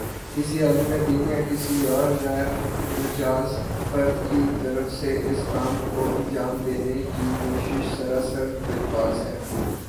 کسی عالمِ دین یا کسی اور غیر مجاز فرد کی طرف سے اس کام کو انجام دینے کی کوشش سراسر تجاوز ہے